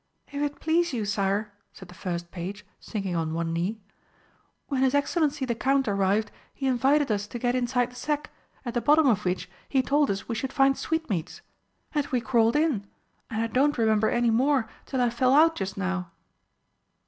"If it please you, sire," said the first page, sinking on one knee, "When His Excellency the Count arrived he invited us to get inside the sack, at the bottom of which he told us we should find sweetmeats. And we crawled in and I don't remember any more till I fell out just now."